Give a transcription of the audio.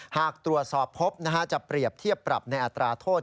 หากตรวจสอบพบจะเปรียบเทียบปรับในอัตราโทษ